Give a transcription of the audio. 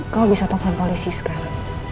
kau bisa telepon polisi sekarang